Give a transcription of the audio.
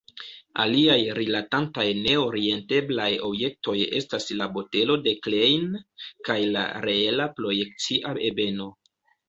Aliaj rilatantaj ne-orienteblaj objektoj estas la botelo de Klein kaj la reela projekcia ebeno.